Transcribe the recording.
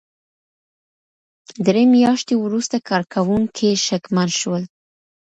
درې مياشتې وروسته کارکوونکي شکمن شول.